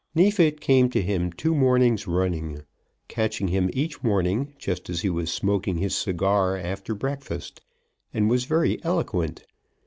Neefit came to him two mornings running, catching him each morning just as he was smoking his cigar after breakfast, and was very eloquent.